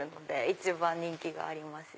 一番人気があります。